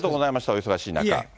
お忙しい中。